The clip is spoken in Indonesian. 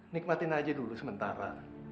nikmatin aja dulu sementara